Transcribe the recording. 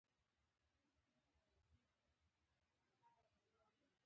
افغانستان ته وتښتي.